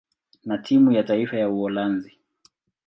na timu ya taifa ya Uholanzi.